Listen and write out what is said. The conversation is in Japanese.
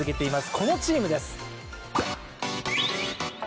このチームです。